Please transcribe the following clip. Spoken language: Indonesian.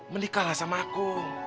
menikahlah sama aku